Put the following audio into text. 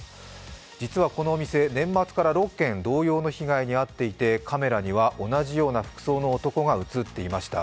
実はこの店、年末から６件同様の被害に遭っていてカメラには同じような服装の男が映っていました。